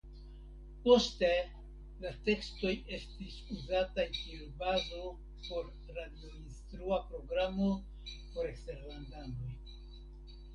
Poste la tekstoj estis uzataj kiel bazo por radioinstrua programo por eksterlandanoj.